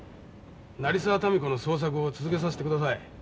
成沢民子の捜索を続けさせてください。